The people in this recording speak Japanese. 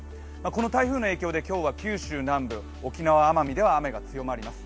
この台風の影響で今日は九州南部、沖縄・奄美では気温が上がります。